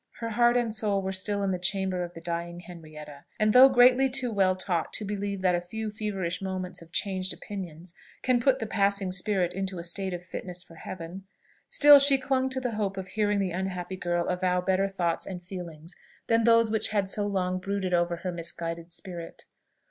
Her heart and soul were still in the chamber of the dying Henrietta; and though greatly too well taught to believe that a few feverish moments of changed opinions can put the passing spirit into a state of fitness for heaven, still she clung to the hope of hearing the unhappy girl avow better thoughts and feelings than those which had so long brooded over her misguided spirit.